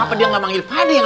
apa dia gak manggil pak dek